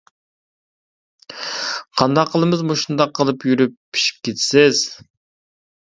قانداق قىلىمىز مۇشۇنداق قىلىپ يۈرۈپ پىشىپ كىتىسىز!